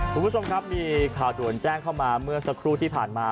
คุณผู้ชมครับมีข่าวด่วนแจ้งเข้ามาเมื่อสักครู่ที่ผ่านมา